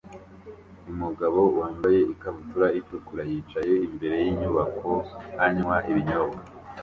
Umugabo wambaye ikabutura itukura yicaye imbere yinyubako anywa ibinyobwa